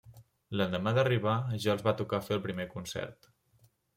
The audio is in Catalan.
L'endemà d'arribar ja els va tocar fer el primer concert.